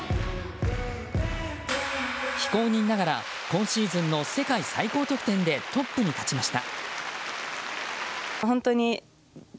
非公認ながら今シーズンの世界最高得点でトップに立ちました。